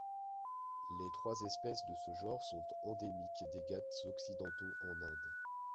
Les trois espèce de ce genre sont endémiques des Ghâts Occidentaux en Inde.